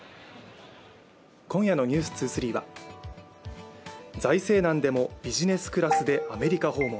今夜の「ｎｅｗｓ２３」は財政難でもビジネスクラスでアメリカ訪問。